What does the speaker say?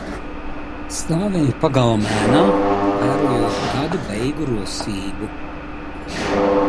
Stāvēju pagalma ēnā, vērojot gada beigu rosību.